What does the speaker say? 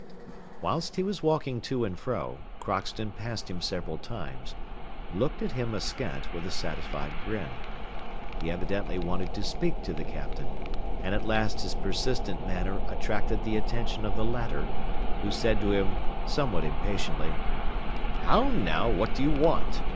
Whilst he was walking to and fro, Crockston passed him several times, looking at him askant with a satisfied grin. He evidently wanted to speak to the Captain, and at last his persistent manner attracted the attention of the latter, who said to him, somewhat impatiently: "How now, what do you want?